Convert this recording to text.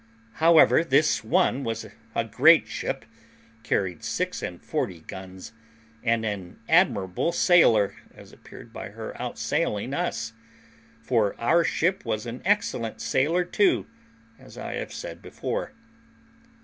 However, this one was a great ship, carried six and forty guns, and an admirable sailer, as appeared by her outsailing us; for our ship was an excellent sailer too, as I have said before.